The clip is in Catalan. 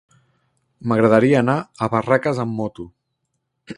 M'agradaria anar a Barraques amb moto.